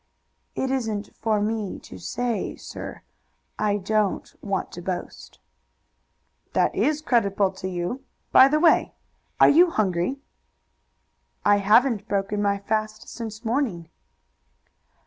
"It isn't for me to say, sir. I don't want to boast." "That is creditable to you. By the way, are you hungry?" "I haven't broken my fast since morning."